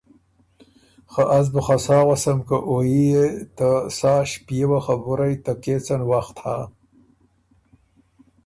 خه از بُو خه سا غؤسم که او يي يې خه ته سا ݭپېوه خبُرئ ته کېڅن وخت هۀ۔